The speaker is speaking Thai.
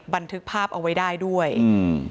บันทึกภาพเอาไว้ได้ด้วยอืม